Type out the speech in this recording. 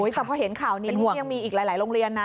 สำคัญเห็นข่าวนี้นี่ยังมีอีกหลายโรงเรียนนะ